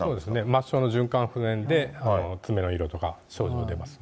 末梢の循環不全で、爪の色とか、症状が。